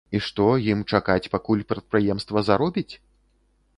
І што, ім чакаць пакуль прадпрыемства заробіць?